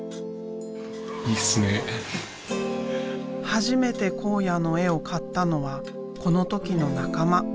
初めて考哉の絵を買ったのはこの時の仲間。